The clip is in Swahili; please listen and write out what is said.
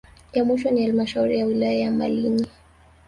Ya mwisho ni halmashauri ya wilaya ya Malinyi